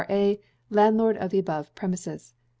A., Landlord of the above premises.